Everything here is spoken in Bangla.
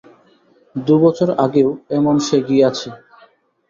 দু বছর আগেও এমন সে গিয়াছে।